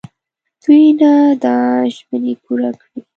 دوی نه دا ژمني پوره کړي.